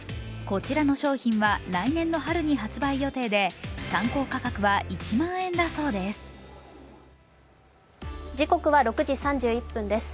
こちらの商品は来年の春に発売予定で参考価格は１万円だそうです。